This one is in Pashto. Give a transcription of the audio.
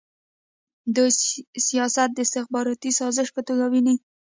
دوی سیاست د استخباراتي سازش په توګه ویني.